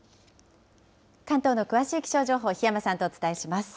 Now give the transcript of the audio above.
関東の詳しい気象情報、檜山さんとお伝えします。